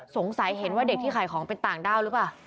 เห็นว่าเด็กที่ขายของเป็นต่างด้าวหรือเปล่า